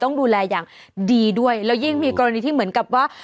ต้องดูแลอย่างดีด้วยแล้วยิ่งมีกรณีที่เหมือนกับว่า